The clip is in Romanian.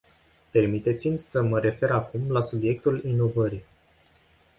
Permiteți-mi să mă refer acum la subiectul inovării.